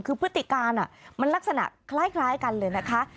คือพฤติการมันลักษณะคล้ายกันเลยนะคะ